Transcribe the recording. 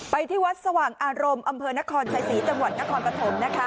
ที่วัดสว่างอารมณ์อำเภอนครชัยศรีจังหวัดนครปฐมนะคะ